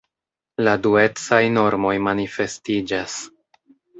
La duecaj normoj manifestiĝas.